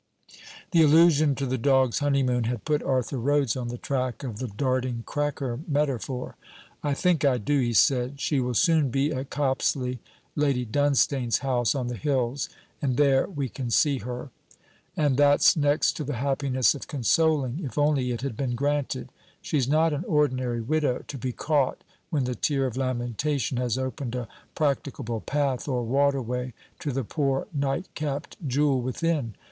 The allusion to the dog's honeymoon had put Arthur Rhodes on the track of the darting cracker metaphor. 'I think I do,' he said. 'She will soon be at Copsley Lady Dunstane's house, on the hills and there we can see her.' 'And that's next to the happiness of consoling if only it had been granted! She's not an ordinary widow, to be caught when the tear of lamentation has opened a practicable path or water way to the poor nightcapped jewel within.